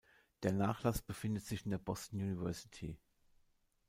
Der Nachlass befindet sich in der Boston University.